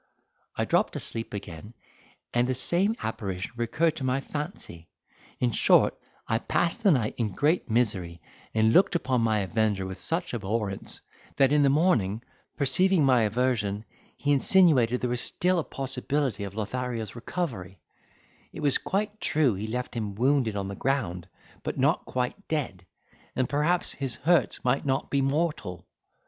I dropped asleep again, and the same apparition recurred to my fancy. In short, I passed the night in great misery, and looked upon my avenger with such abhorrence, that in the morning, perceiving my aversion, he insinuated there was still a possibility of Lothario's recovery: it was quite true he left him wounded on the ground, but not quite dead, and perhaps his hurts might not be mortal.